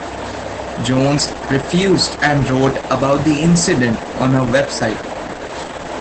Jones refused and wrote about the incident on her website.